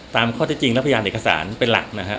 ข้อที่จริงและพยานเอกสารเป็นหลักนะครับ